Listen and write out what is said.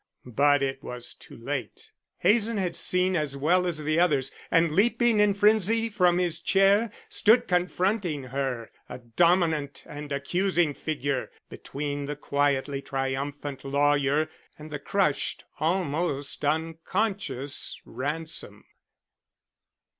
But it was too late. Hazen had seen as well as the others, and leaping in frenzy from his chair stood confronting her a dominant and accusing figure between the quietly triumphant lawyer and the crushed, almost unconscious Ransom.